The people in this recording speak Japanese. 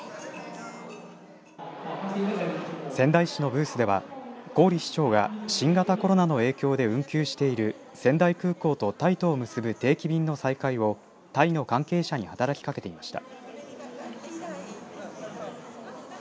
仙台市のブースでは郡市長が新型コロナの影響で運休している仙台空港とタイとを結ぶ定期便の再開をタイの関係者に働きかけていました。